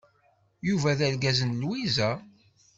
Yuba d argaz n Lwiza.